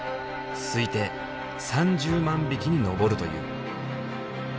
推定３０万匹に上るという。